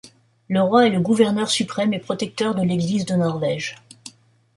Le roi est le gouverneur suprême et protecteur de l’église de Norvège.